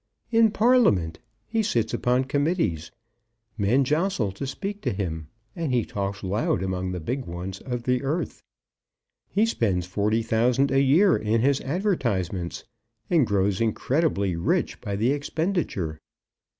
"In Parliament! He sits upon committees; men jostle to speak to him; and he talks loud among the big ones of the earth. He spends forty thousand a year in his advertisements, and grows incredibly rich by the expenditure.